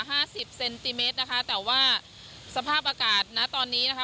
ห้าสิบเซนติเมตรนะคะแต่ว่าสภาพอากาศนะตอนนี้นะคะ